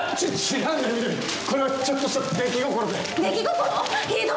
違うんだよ、翠これはちょっとした出来心で。